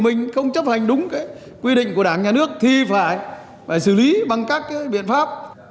mình không chấp hành đúng cái quy định của đảng nhà nước thì phải xử lý bằng các cái biện pháp